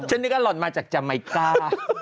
ฉันนี่ก็หล่นมาจากจัไมกา